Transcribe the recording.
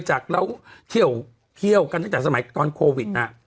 จากเราเที่ยวกันตั้งแต่สมัยตอนโควิด